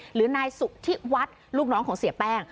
หรือนายสุธิวัฒน์ลูกน้องของเสียแป้ง